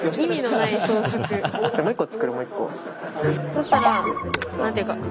そしたら何て言うかこう。